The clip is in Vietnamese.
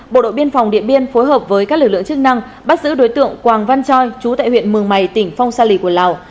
bộ đội biên phòng điện biên phối hợp với các lực lượng chức năng bắt giữ đối tượng quảng văn choi chú tại huyện mường mày tỉnh phong sa lì của lào